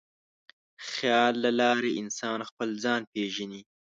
د خیال له لارې انسان خپل ځان وپېژني.